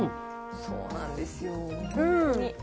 そうなんですよ、本当に。